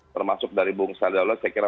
termasuk dari bung sela dan lain sebagainya